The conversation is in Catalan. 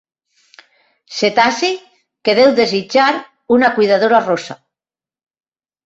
Cetaci que deu desitjar una cuidadora rossa.